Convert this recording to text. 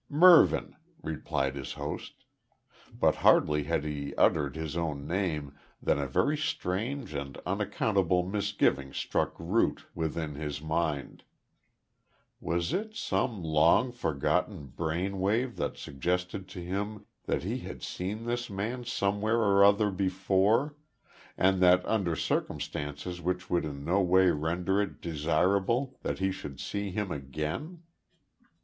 "Mervyn," supplied his host. But hardly had he uttered his own name, than a very strange and unaccountable misgiving struck root within his mind. Was it some long forgotten brain wave that suggested to him that he had seen this man somewhere or other before and that under circumstances which would in no way render it desirable that he should see him again?